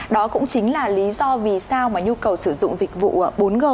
đó cũng chính là lý do vì sao mà nhu cầu sử dụng dịch vụ bốn g